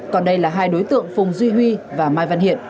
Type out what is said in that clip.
còn đây là hai đối tượng phùng duy huy và mai văn hiện